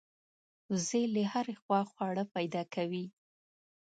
وزې له هرې خوا خواړه پیدا کوي